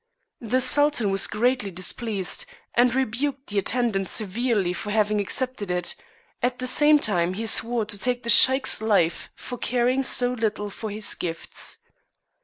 The Sultan was greatly dis pleased and rebuked the attendant severely for having ac cepted it; at the same time he swore to take the Sheik's life for caring so little for his gifts.